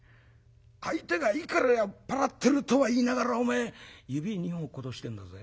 相手がいくら酔っ払ってるとは言いながらおめえ指２本落っことしてんだぜ。